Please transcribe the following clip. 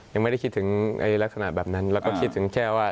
ยังไม่ได้คิดถึงลักษณะแบบนั้นแล้วก็คิดถึงแค่ว่า